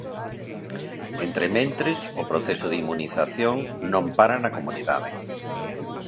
Entrementres, o proceso de inmunización non para na comunidade.